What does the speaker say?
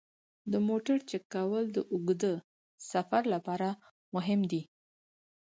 د موټر چک کول د اوږده سفر لپاره مهم دي.